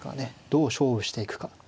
どう勝負していくか。